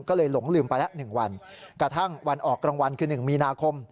ก็เลยหลงลืมไปแล้ว๑วันกระทั่งวันออกกลางวันคือ๑มีนาคม